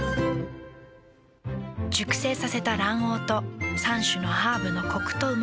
熟成させた卵黄と３種のハーブのコクとうま味。